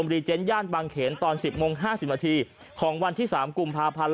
เจนต์ย่านบางเขนตอน๑๐โมง๕๐นาทีของวันที่๓กุมภาพันธ์